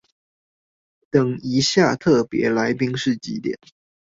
等一下特別來賓是幾點？